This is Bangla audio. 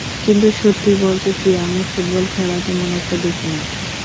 কিন্তু সত্যি বলতে কি, আমি ফুটবল খেলা তেমন একটা দেখি না।